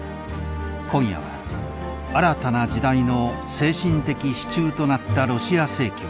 今夜は新たな時代の精神的支柱となったロシア正教。